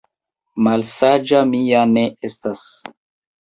Malsaĝa mi ja ne estas!